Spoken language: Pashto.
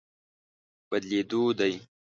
بدلېدو دی.